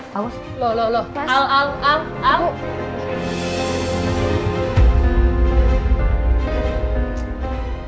tidak tahu bos